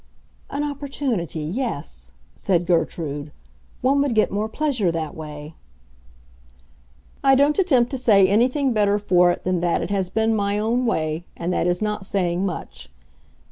"An opportunity—yes," said Gertrude. "One would get more pleasure that way." "I don't attempt to say anything better for it than that it has been my own way—and that is not saying much!"